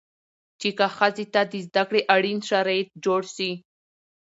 چې که ښځې ته د زده کړې اړين شرايط جوړ شي